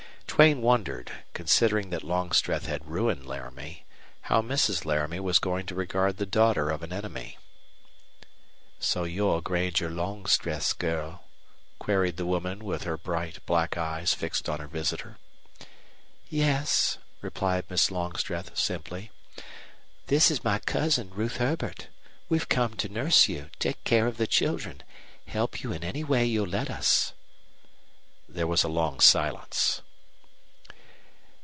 Duane wondered, considering that Longstreth had ruined Laramie, how Mrs. Laramie was going to regard the daughter of an enemy. "So you're Granger Longstreth's girl?" queried the woman, with her bright, black eyes fixed on her visitor. "Yes," replied Miss Longstreth, simply. "This is my cousin, Ruth Herbert. We've come to nurse you, take care of the children, help you in any way you'll let us." There was a long silence.